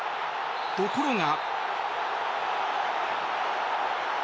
ところが。